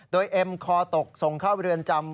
โดยเอ็มคอตกส่งเข้าเรือนจำ